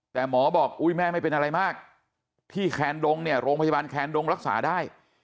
แต่หมอบอกอุ้ยแม่ไม่เป็นอะไรมากที่แคนดงเนี่ยโรงพยาบาลแคนดงรักษาได้